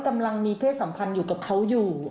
กำลังมีเพศสัมพันธ์อยู่กับเขาอยู่